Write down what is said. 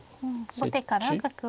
後手から角を。